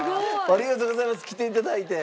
ありがとうございます来て頂いて。